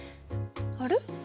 あれ？